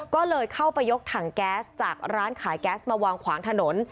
ก็เลยเข้าไปยกถังแก๊สจากร้านขายแก๊สมาวางขวางถนน